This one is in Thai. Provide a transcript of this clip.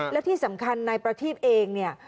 และที่สำคัญนายประทีบเองเนี่ย